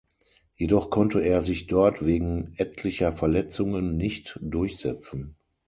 Jedoch konnte er sich dort wegen etlicher Verletzungen nicht durchsetzen.